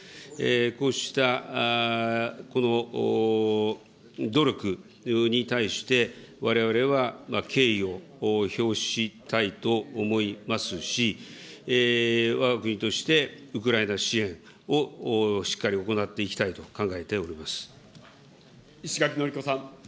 こうした、この努力に対して、われわれは敬意を表したいと思いますし、わが国としてウクライナ支援をしっかり行っていきたいと考えてお石垣のりこさん。